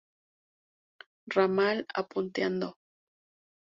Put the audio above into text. Ramal a Putaendo